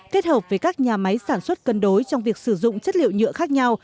kết hợp với các nhà máy sản xuất cân đối trong việc sử dụng chất liệu nhựa khác nhau